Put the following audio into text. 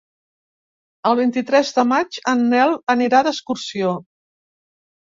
El vint-i-tres de maig en Nel anirà d'excursió.